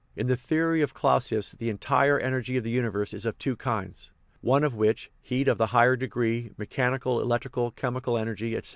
In the theory of Clausius the entire energy of the universe is of two kinds, one of which (heat of the higher degree, mechanical, electrical, chemical energy, etc.)